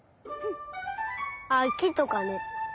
あっきとかね。